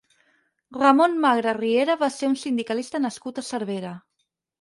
Ramon Magre Riera va ser un sindicalista nascut a Cervera.